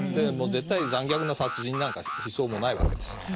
もう絶対残虐な殺人なんかしそうもないわけです。